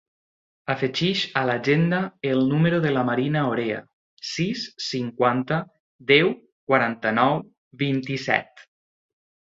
Afegeix a l'agenda el número de la Marina Orea: sis, cinquanta, deu, quaranta-nou, vint-i-set.